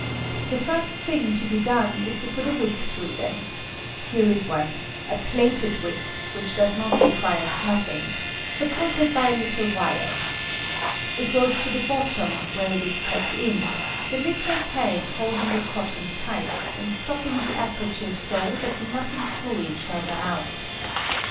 The first thing to be done is to put a wick through them. Here is one — a plaited wick, which does not require snuffing(^) — supported by a little wire. It goes to the bottom, where it is pegged in ; the httle peg holding the cot ton tight, and stopping the aperture so that nothing fluid shall run oat.